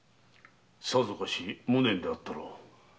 さぞかし無念であったろう。